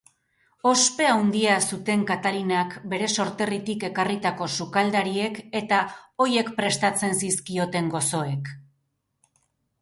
Ospe handia zuten Katalinak bere sorterritik ekarritako sukaldariek eta horiek prestatzen zizkioten gozoek.